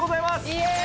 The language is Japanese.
イエーイ！